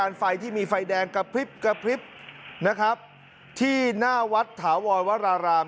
ไฟที่มีไฟแดงกระพริบกระพริบนะครับที่หน้าวัดถาวรวราราม